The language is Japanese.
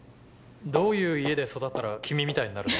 どういう家で育ったら君みたいになるの？